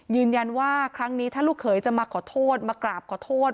ยืนยันว่าครั้งนี้ถ้าลูกเขยจะมาขอโทษมากราบขอโทษ